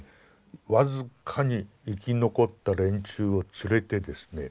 僅かに生き残った連中を連れてですね